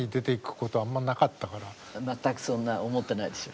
全くそんな思ってないでしょ。